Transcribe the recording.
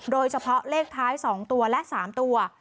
โดยเฉพาะเลขท้าย๒ตัวและ๓ตัว